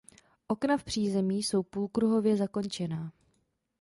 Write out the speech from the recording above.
Okna v přízemí jsou půlkruhově zakončená.